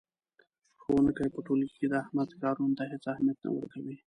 ښوونکی په ټولګي کې د احمد کارونو ته هېڅ اهمیت نه ورکوي.